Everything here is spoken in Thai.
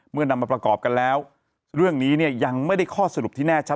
นำมาประกอบกันแล้วเรื่องนี้เนี่ยยังไม่ได้ข้อสรุปที่แน่ชัด